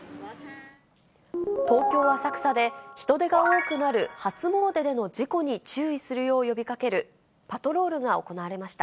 東京・浅草で人出が多くなる初詣での事故に注意するよう呼びかけるパトロールが行われました。